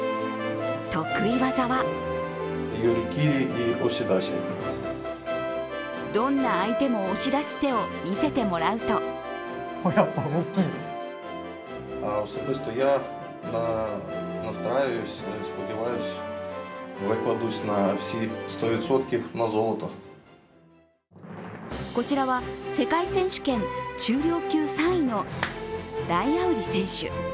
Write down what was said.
得意技はどんな相手も押し出す手を見せてもらうとこちらは世界選手権中量級３位のダイアウリ選手。